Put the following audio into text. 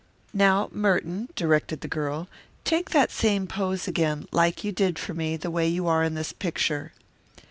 "Now, Merton," directed the girl, "take that same pose again, like you did for me, the way you are in this picture."